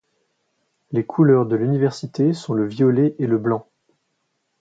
Les couleurs de l'université sont le violet et le blanc.